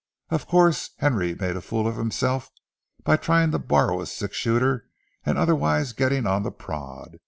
Of course, Henry made a fool of himself by trying to borrow a six shooter and otherwise getting on the prod.